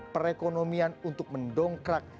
perekonomian untuk mendongkrak